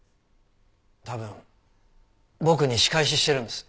多分僕に仕返ししてるんです。